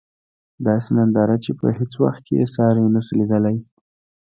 داسې ننداره چې په هیڅ وخت کې یې ساری نشو لېدلی.